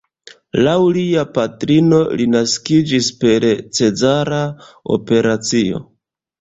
Laŭ lia patrino li naskiĝis per cezara operacio.